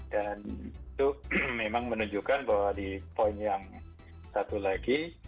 dan itu memang menunjukkan bahwa di poin yang satu lagi